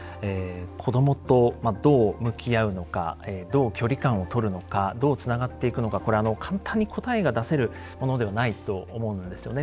子どもとどう向き合うのかどう距離感をとるのかどうつながっていくのかこれ簡単に答えが出せるものではないと思うんですよね。